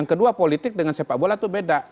karena politik dengan sepak bola itu beda